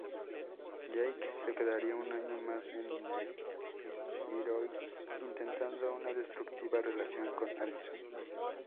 Jake se quedaría un año más en Melrose intentando una destructiva relación con Alison.